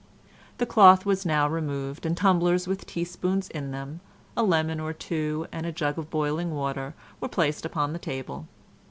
The cloth was now removed and tumblers with teaspoons in them, a lemon or two and a jug of boiling water were placed upon the table.